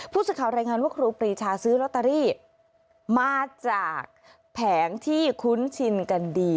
ผู้สื่อข่าวรายงานว่าครูปรีชาซื้อลอตเตอรี่มาจากแผงที่คุ้นชินกันดี